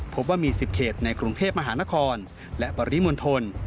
พบว่ามี๑๐เขตในกรุงเทพมหานครและปริมณฑล